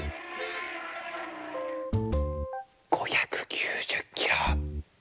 ５９０キロ。